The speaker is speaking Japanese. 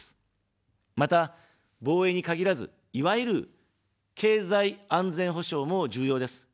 また、防衛に限らず、いわゆる経済安全保障も重要です。